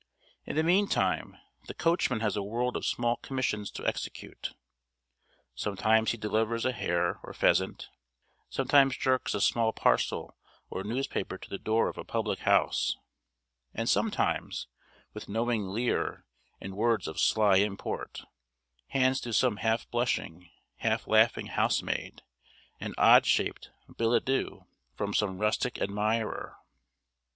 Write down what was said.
In the meantime, the coachman has a world of small commissions to execute. Sometimes he delivers a hare or pheasant; sometimes jerks a small parcel or newspaper to the door of a public house; and sometimes, with knowing leer and words of sly import, hands to some half blushing, half laughing housemaid an odd shaped billet doux from some rustic admirer.